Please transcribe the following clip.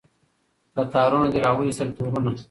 له تارونو دي را وایستل تورونه